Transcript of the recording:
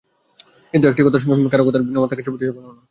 কিন্তু একটি কথার সঙ্গে কারও কারও ভিন্নমত থাকায় বাণীটি ছাপা হলো না।